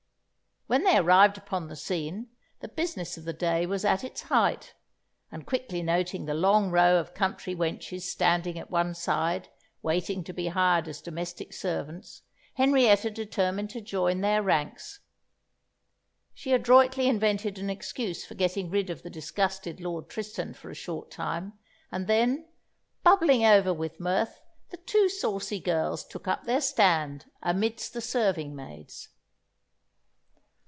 When they arrived upon the scene, the business of the day was at its height; and quickly noting the long row of country wenches standing at one side waiting to be hired as domestic servants, Henrietta determined to join their ranks. She adroitly invented an excuse for getting rid of the disgusted Lord Tristan for a short time, and then, bubbling over with mirth, the two saucy girls took up their stand amidst the serving maids.